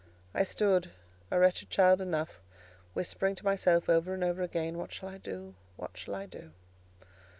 I stood, a wretched child enough, whispering to myself over and over again, "What shall I do?—what shall I do?"